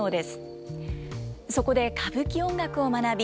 そこで歌舞伎音楽を学び